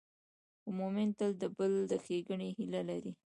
مؤمن تل د بل د ښېګڼې هیله لري.